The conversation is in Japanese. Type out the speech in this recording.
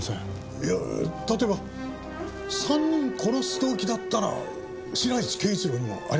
いや例えば３人を殺す動機だったら白石圭一郎にもあります。